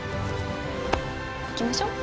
行きましょう。